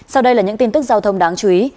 sau đây là những tin tức giao thông đáng chú ý